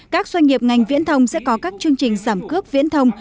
các doanh nghiệp ngành viễn thông sẽ có các chương trình giảm cướp viễn thông